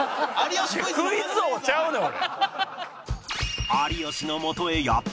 クイズ王ちゃうねん俺。